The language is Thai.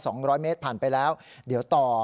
ร้อยเมตรผ่านไปแล้วเดี๋ยวต่อ